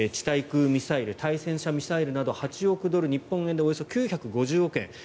対空ミサイル対戦車ミサイルなど８億ドル日本円でおよそ９５０億円